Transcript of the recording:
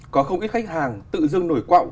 có không ít khách hàng tự dưng nổi quạo